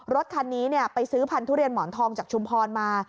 รถคันนี้ไปซื้อพันธุเรียนหมอนทองจากชุมพรมา